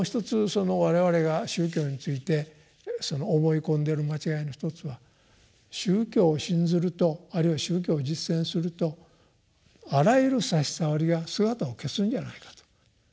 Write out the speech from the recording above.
その我々が宗教について思い込んでいる間違いの一つは宗教を信ずるとあるいは宗教を実践するとあらゆる差し障りが姿を消すんじゃないかと。